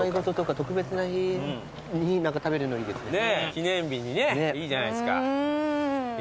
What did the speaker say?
記念日にねいいじゃないですか。